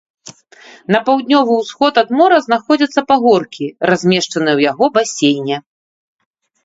На паўднёвы ўсход ад мора знаходзяцца пагоркі, размешчаныя ў яго басейне.